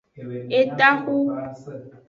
Etaxu.